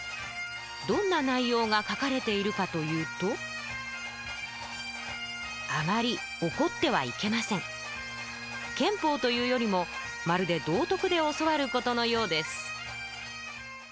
どんな内容が書かれているかというと憲法というよりもまるで道徳で教わることのようです